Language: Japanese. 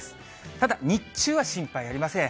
ただ、日中は心配ありません。